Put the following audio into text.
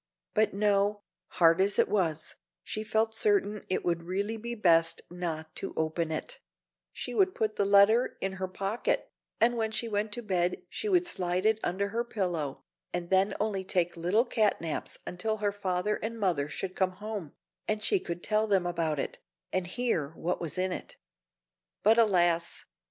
But no, hard as it was, she felt certain it would really be best not to open it; so she would put the letter in her pocket, and when she went to bed she would slide it under her pillow, and then only take little cat naps until her father and mother should come home, and she could tell them about it, and hear what was in it. But alas!